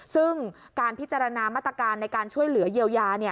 ซึ่งการพิจารณามาตรการในการช่วยเหลือเยียวยา